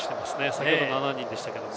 先ほど７人でしたけれども。